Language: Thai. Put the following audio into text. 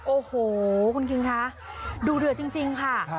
โอ้โหคุณคิงคะดูเดือดจริงค่ะ